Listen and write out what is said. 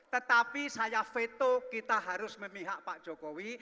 tetapi saya veto kita harus memihak pak jokowi